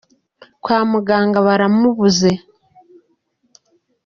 kwamuganga baramubaze